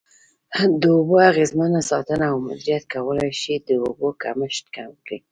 د اوبو اغیزمنه ساتنه او مدیریت کولای شي د اوبو کمښت کم کړي.